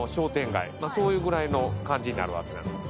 そういうぐらいの感じになるわけです。